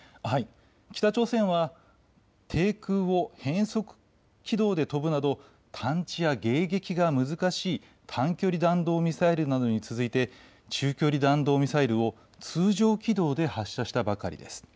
北朝鮮は低空を変則軌道で飛ぶなど探知や迎撃が難しい短距離弾道ミサイルなどに続いて中距離弾道ミサイルを通常軌道で発射したばかりです。